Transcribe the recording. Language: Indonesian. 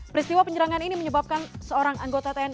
peristiwa penyerangan ini menyebabkan seorang anggota tni